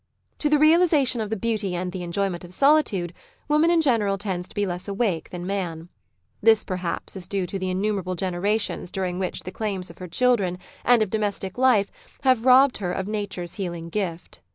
To the realisation of the beauty and the enjoyment of solitude, woman in general tends to be less awake than man. This, perhaps, is due to the innumerable generations during which the claims of her children Society 99 and of domestic life have robbed her of Nature's healing gift.